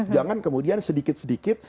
jangan kemudian sedikit sedikit